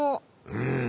うん。